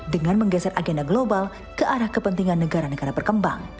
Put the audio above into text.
dengan menggeser agenda global ke arah kepentingan negara negara berkembang